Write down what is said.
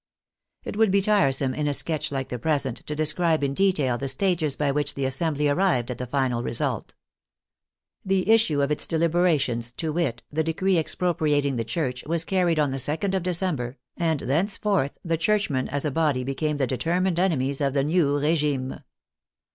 It would be tiresome, in a sketch like the present, to describe in de tail the stages by which the Assembly arrived at the final result. The issue of its deliberations, to wit, the decree ex propriating the Church, was carried on the 26. of Decem ber, and thenceforth the churchmen as a body became the determined enemies of the new regime.